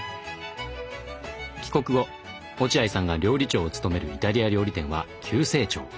帰国後落合さんが料理長を務めるイタリア料理店は急成長。